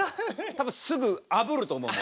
多分すぐあぶると思う。